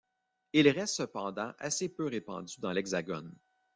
Il reste cependant assez peu répandu dans l’Hexagone.